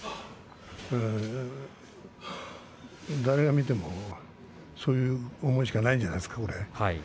誰が見てもそういう思いしかないんじゃないですか？